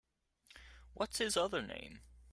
What’s his other name?